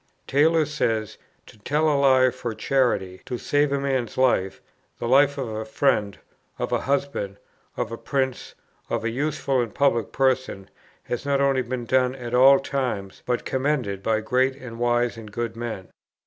Taylor says: "To tell a lie for charity, to save a man's life, the life of a friend, of a husband, of a prince, of a useful and a public person, hath not only been done at all times, but commended by great and wise and good men.